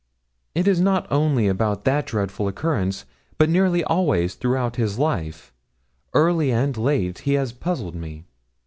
It is not only about that dreadful occurrence, but nearly always throughout his life; early and late he has puzzled me.